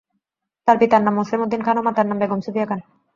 তার পিতার নাম মোসলেম উদ্দিন খান ও মাতার নাম বেগম সুফিয়া খান।